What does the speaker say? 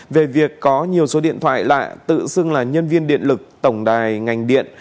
về việc có nhiều số điện thoại lạ tự xưng là nhân viên điện lực tổng đài ngành điện